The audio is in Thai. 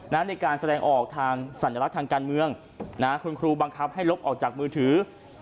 ในการแสดงออกทางสัญลักษณ์ทางการเมืองคุณครูบังคับให้ลบออกจากมือถือ